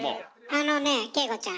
あのねえ景子ちゃん。